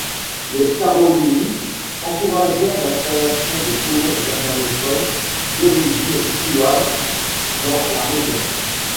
Les Károlyi encouragèrent l'installation de colons germanophones d'origine souabe dans la région.